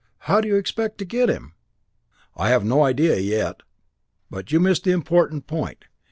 How do you expect to get him?" "I have no idea yet. But you missed the important point.